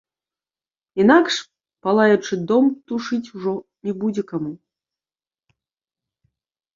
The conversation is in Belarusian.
Інакш палаючы дом тушыць ужо не будзе каму.